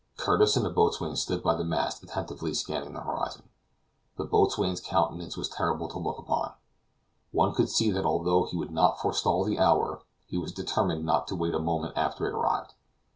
Curtis and the boatswain stood by the mast attentively scanning the horizon. The boatswain's countenance was terrible to look upon; one could see that although he would not forestall the hour, he was determined not to wait a moment after it arrived.